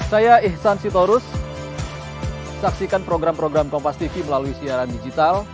saya ihsan sitorus saksikan program program kompas tv melalui siaran digital